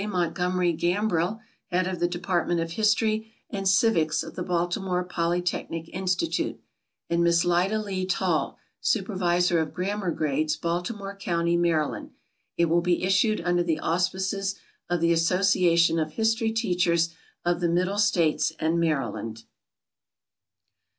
Montgomery Gambrill, head of the department of history and civics of the Baltimore Polytechnic Institute, and Miss Lida Lee Tall, supervisor of grammar grades, Baltimore county, Maryland. It will be issued under the auspices of the Association of History Teachers of the Middle States and Maryland.